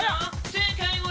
正解は」